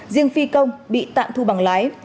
riêng phi công bị tạm thu bằng lái